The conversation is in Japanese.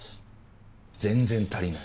全然足りない。